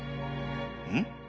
うん？